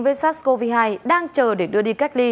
vsasco v hai đang chờ để đưa đi cách ly